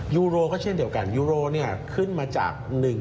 ยูโรก็เช่นเดียวกันยูโรขึ้นมาจาก๑๒